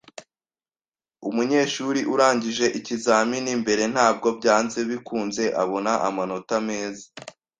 Umunyeshuri urangije ikizamini mbere ntabwo byanze bikunze abona amanota meza.